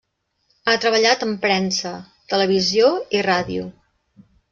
Ha treballat en premsa, televisió i ràdio.